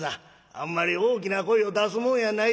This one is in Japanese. あんまり大きな声を出すもんやないで」。